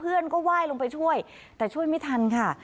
เพื่อนก็ไหว้ลงไปช่วยแต่ช่วยไม่ทันค่ะ